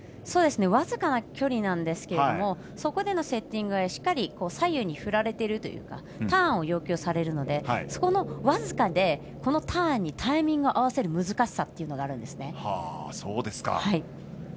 僅かな距離なんですけれどそこでのセッティングはしっかり左右に振られているというかターンを要求されるのでそこも僅かでターンにタイミングを合わせる難しさっていうのがあるんですね。